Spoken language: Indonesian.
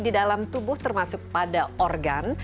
di dalam tubuh termasuk pada organ